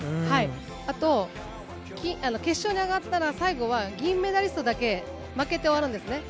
あと決勝に上がったら、最後は銀メダリストだけ負けて終わるんですね。